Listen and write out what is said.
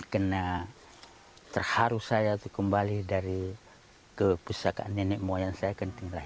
karena terharu saya kembali dari kepusakaan nenek moyang saya